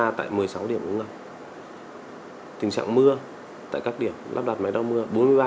thứ hai là người sử dụng có thể xem được tình trạng mưa tại các điểm lắp đặt máy đo mưa